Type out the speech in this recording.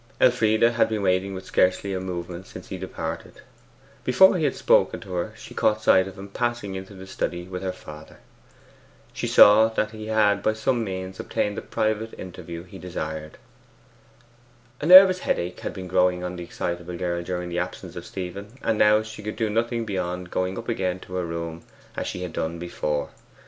Elfride had been waiting with scarcely a movement since he departed. Before he had spoken to her she caught sight of him passing into the study with her father. She saw that he had by some means obtained the private interview he desired. A nervous headache had been growing on the excitable girl during the absence of Stephen, and now she could do nothing beyond going up again to her room as she had done before.